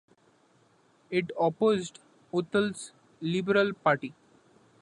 It opposed Utah's Liberal Party.